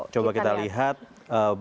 coba kita lihat dulu